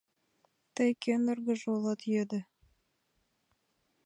— Тый кӧн эргыже улат? — йодо.